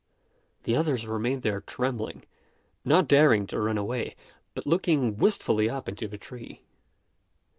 The others remained there trembling, not daring to run away, but looking wistfully up into the tree.